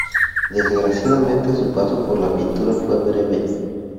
Desgraciadamente, su paso por la pintura fue breve.